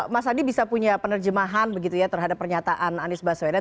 mas adi bisa punya penerjemahan begitu ya terhadap pernyataan anies baswedan